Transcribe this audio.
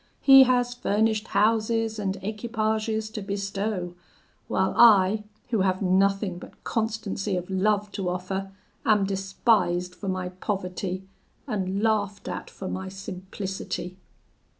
He has furnished houses and equipages to bestow, while I, who have nothing but constancy of love to offer, am despised for my poverty, and laughed at for my simplicity.'